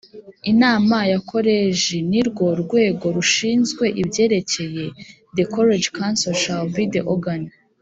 Inama ya Koleji ni rwo rwego rushinzwe ibyerekeye The College Council shall be the organ